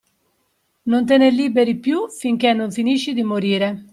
Non te ne liberi più finché non finisci di morire.